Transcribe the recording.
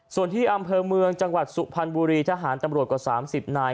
ส่วนที่อำเภอเมืองจังหวัดสุพรรณบุรีทหารตำรวจกว่า๓๐นาย